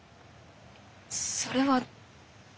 それは。